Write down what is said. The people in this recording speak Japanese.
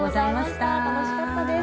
楽しかったです。